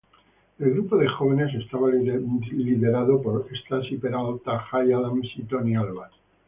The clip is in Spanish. El grupo de jóvenes estaba liderado por Stacy Peralta, Jay Adams y Tony Alva.